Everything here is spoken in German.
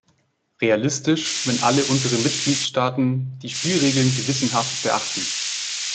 Realistisch, wenn alle unsere Mitgliedstaaten die Spielregeln gewissenhaft beachten.